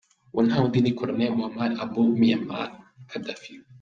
Uwo nta wundi ni Col Muammar Muhammad Abu Minyar Gaddafi.